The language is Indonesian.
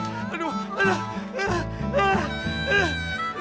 aduh aduh aduh aduh aduh